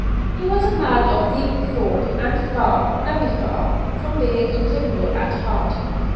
He was a man of deep thought, and far, very far, from being a criminal at heart.